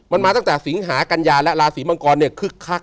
มันมาตั้งแต่สิงหากัญญาและราศีมังกรเนี่ยคึกคัก